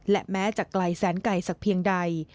และแม้จะไกลแสนไก่สักเพียงใด